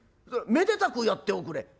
めでたくやっておくれ」。